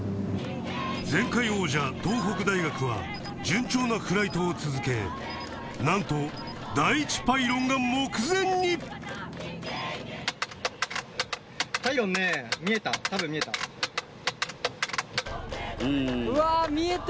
前回王者東北大学は順調なフライトを続けなんと第１パイロンが目前にうわ見えた。